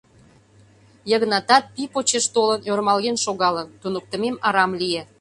Йыгнатат, пий почеш толын, ӧрмалген шогалын, «Туныктымем арам лие!